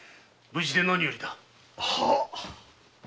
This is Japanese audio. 無事で何よりだった。